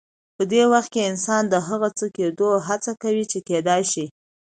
په دې وخت کې انسان د هغه څه کېدو هڅه کوي چې کېدای شي.